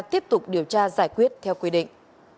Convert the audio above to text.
tiếp tục điều tra giải quyết theo quy định